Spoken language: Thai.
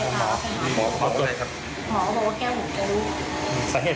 โดนใครตบ